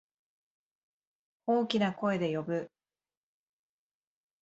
大きな声で呼ぶ。